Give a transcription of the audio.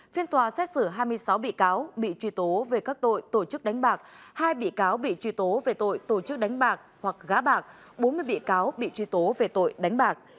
phiên tòa xét xử hai mươi sáu bị cáo bị truy tố về các tội tổ chức đánh bạc hai bị cáo bị truy tố về tội tổ chức đánh bạc hoặc gá bạc bốn mươi bị cáo bị truy tố về tội đánh bạc